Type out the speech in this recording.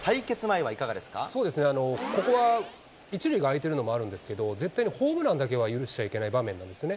そうですね、ここは１塁が空いてるのもあるんですけど、絶対にホームランだけは許しちゃいけない場面なんですよね。